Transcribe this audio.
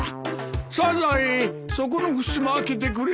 サザエそこのふすま開けてくれ。